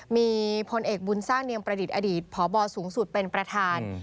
มีพลเอกบุญสร้างเนียมประดิษฐ์อดีตพบสูงสุดเป็นประธาน